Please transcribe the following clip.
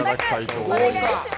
お願いします。